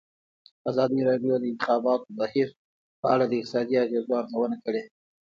ازادي راډیو د د انتخاباتو بهیر په اړه د اقتصادي اغېزو ارزونه کړې.